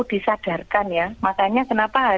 disadarkan ya makanya kenapa